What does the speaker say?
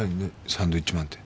サンドイッチマンって？